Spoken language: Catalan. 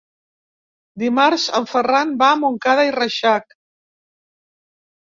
Dimarts en Ferran va a Montcada i Reixac.